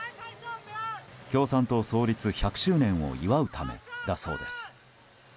共産党創立１００周年を祝うためだそうです。